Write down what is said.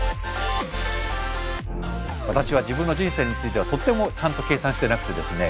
私は自分の人生についてはとてもちゃんと計算してなくてですね。